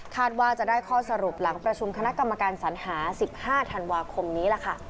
ว่าจะได้ข้อสรุปหลังประชุมคณะกรรมการสัญหา๑๕ธันวาคมนี้ล่ะค่ะ